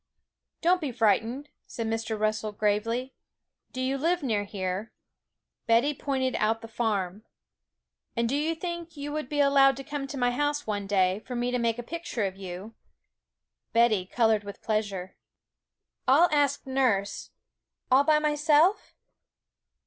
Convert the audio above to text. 'Don't be frightened,' said Mr. Russell gravely. 'Do you live near here?' Betty pointed out the farm. 'And do you think you would be allowed to come to my house one day, for me to make a picture of you?' Betty coloured with pleasure. 'I'll ask nurse. All by myself?'